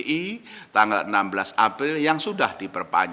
bagaimana cara memperkuat program cinta rupiah